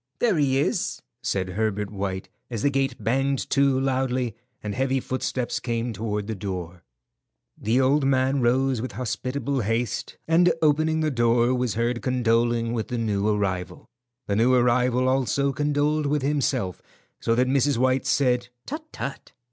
"There he is," said Herbert White, as the gate banged to loudly and heavy footsteps came toward the door. The old man rose with hospitable haste, and opening the door, was heard condoling with the new arrival. The new arrival also condoled with himself, so that Mrs. White said, "Tut, tut!"